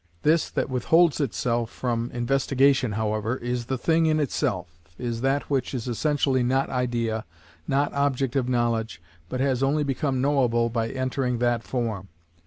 This that withholds itself from investigation, however, is the thing in itself, is that which is essentially not idea, not object of knowledge, but has only become knowable by entering that form.